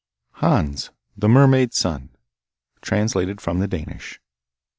Hans, the Mermaid's Son Translated from the Danish.